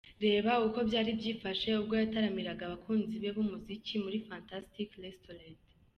Reba uko byari byifashe ubwo yataramiraga abakunzi b'umuziki muri Fantastic restaurant.